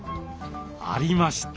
ありました。